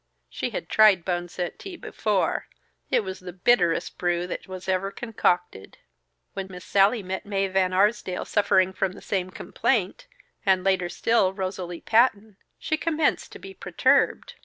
She had tried boneset tea before; it was the bitterest brew that was ever concocted. When Miss Sallie met Mae Van Arsdale suffering from the same complaint, and later still, Rosalie Patton, she commenced to be perturbed.